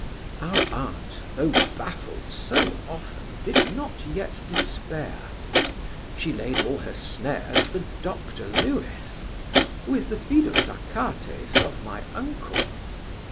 Our aunt, though baffled so often, did not yet despair. She layed all her snares for Dr Lewis, who is the fidus Achates of my uncle.